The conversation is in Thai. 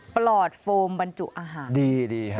ปลอดโฟมบรรจุอาหารดีดีฮะ